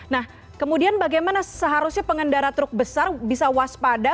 nah kemudian bagaimana seharusnya pengendara truk besar bisa waspada